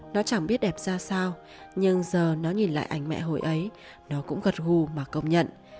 cháu không biết sao nhưng giờ nó nhìn lại ảnh mẹ hồi ấy nó cũng gật gù mà công nhận